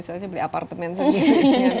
soalnya beli apartemen segitu